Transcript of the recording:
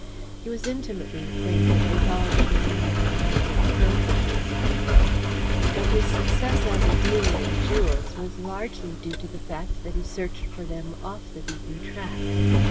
He was intimately acquainted with all the known mines and pearl fisheries of the world, but his success as a dealer in jewels was largely due to the fact that he searched for them off the beaten track.